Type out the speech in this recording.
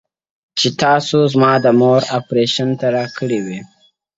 جل وهلی سوځېدلی د مودو مودو راهیسي,